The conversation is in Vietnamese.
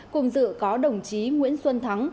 cùng dự có đồng chí nguyễn xuân thắng